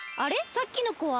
さっきのこは？